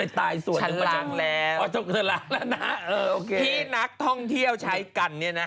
ชาวเรือก็บอกเลยว่าจริง